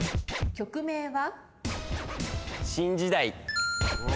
曲名は？